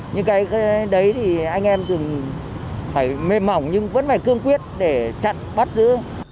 những cái đấy thì anh em từng phải mềm mỏng nhưng vẫn phải cương quyết để chặn bắt giữ